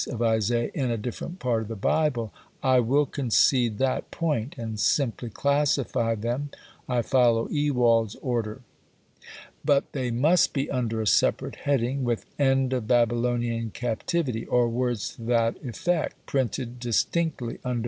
of Isaiah in a different part of the Bible, I will concede that point and simply classify them (I follow Ewald's order). But they must be under a separate Heading with "End of Babylonian Captivity" (or words to that effect) printed distinctly under the heading (not in a note).